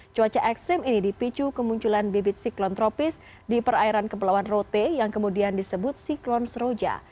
cuaca ekstrim ini dipicu kemunculan bibit siklon tropis di perairan kepulauan rote yang kemudian disebut siklon seroja